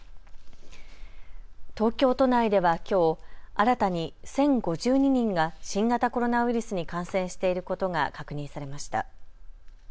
東京都内ではきょう新たに１０５２人が新型コロナウイルスに感染していることが確認されました。